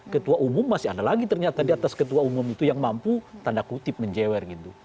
ketua umum masih ada lagi ternyata di atas ketua umum itu yang mampu tanda kutip menjewer gitu